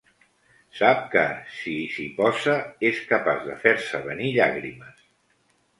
Sap que, si s'hi posa, és capaç de fer-se venir llàgrimes.